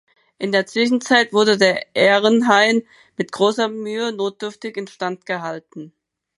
In der Zwischenzeit wurde der Ehrenhain mit großer Mühe notdürftig instand gehalten.